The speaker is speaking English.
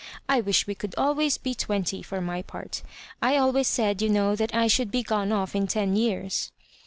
I wish we could always be twenty, for my part I always said, you know, that I should be gone off in ten years."